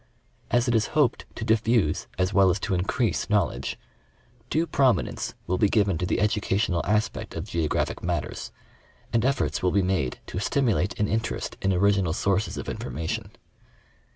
As it is hoped to diffuse as well as to increase knowledge, due prominence will be given to the educational aspect of geo graphic matters, and efforts will be made to stimulate an interest in original sources of information.